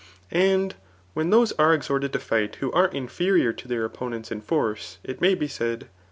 And when those are exhorted to fight who are inferior to their opponents in force, it may be said.